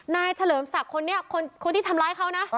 เฉลิมศักดิ์คนนี้คนที่ทำร้ายเขานะ